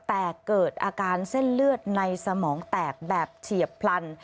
แต่เกิดอาการเส้นเลือดในสมองแตกแบบเฉียบพลัน